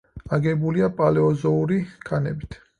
აგებულია პალეოზოური ქანებით.